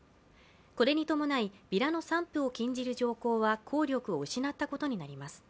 これに伴い、ビラの散布を禁じる条項は効力を失ったことになります。